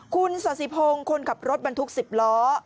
คุณสาธิพงศ์คนขับรถบรรทุก๑๐ล้อ